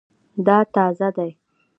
دا تازه دی